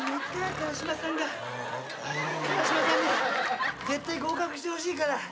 カワシマさんが絶対合格してほしいから。